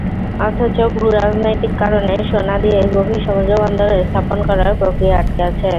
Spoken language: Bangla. অথচ ভূরাজনৈতিক কারণে সোনাদিয়ায় গভীর সমুদ্রবন্দর স্থাপন করার প্রক্রিয়া আটকে আছে।